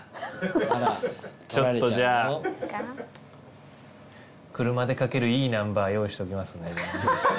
ちょっとじゃあ車でかけるいいナンバー用意しておきますね。